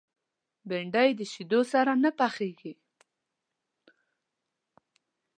بېنډۍ د شیدو سره نه پخېږي